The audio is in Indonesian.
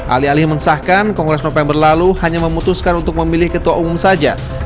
alih alih mensahkan kongres november lalu hanya memutuskan untuk memilih ketua umum saja